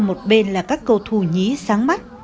một bên là các cầu thủ nhí sáng mắt